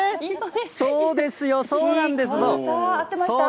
そうですよ、そうなんです、そう。